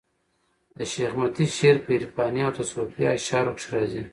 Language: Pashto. د شېخ متي شعر په عرفاني او تصوفي اشعارو کښي راځي.